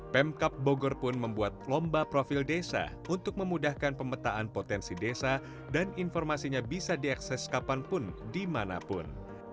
pemkap bogor pun membuat lomba profil desa untuk memudahkan pemetaan potensi desa dan informasinya bisa diakses kapanpun dimanapun